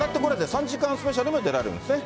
３時間スペシャルも出られるんですね？